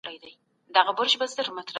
وطن مینه غواړي.